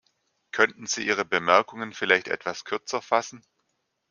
Könnten Sie Ihre Bemerkungen vielleicht etwas kürzer fassen?